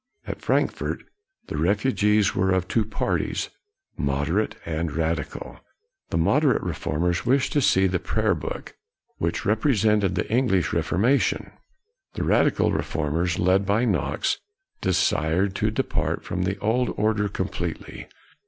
At Frankfort, the refugees were of two parties, moderate and radical. The mod erate reformers wished to use the Prayer 1 30 KNOX book, which represented the English Reformation. The radical reformers, led by Knox, desired to depart from the old order completely.